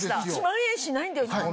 １万円しないんだよ。